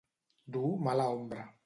Dur mala ombra.